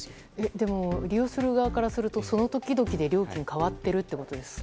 でも、利用する側からしますとその時々で料金が変わってるということですよね。